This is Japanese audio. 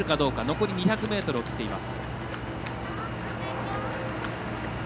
残り２００ｍを切っています。